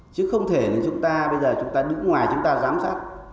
chứ không thể chúng ta bây giờ chúng ta đứng ngoài chúng ta giám sát